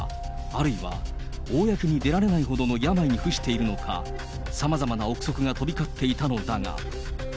あるいは公に出られないほどの病に伏しているのか、さまざまな憶測が飛び交っていたのだが。